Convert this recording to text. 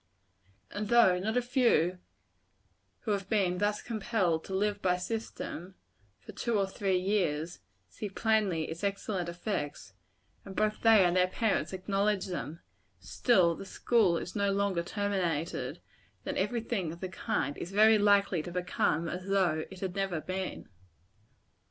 And though not a few who have been thus compelled to live by system, for two or three years, see plainly its excellent effects, and both they and their parents acknowledge them, still the school is no sooner terminated, than every thing of the kind is very likely to become as though it had never been.